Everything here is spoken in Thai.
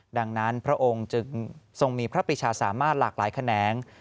ดังนั้นพระองค์จึงทรงมีพระปิชาสามารถหลากหลายแขนง